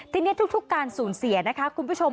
ทีนี้ทุกการสูญเสียนะคะคุณผู้ชม